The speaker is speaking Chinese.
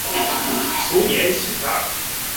卒年七十二。